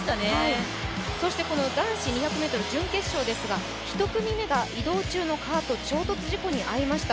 そして男子２００ｍ準決勝ですが１組目が移動中のカート、衝突事故に遭いました。